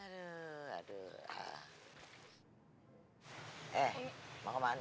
mereka mau ke sana